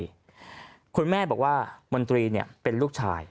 เพราะฉะนั้นแม่บอกว่ามนตรีเนี่ยเป็นลูกชาย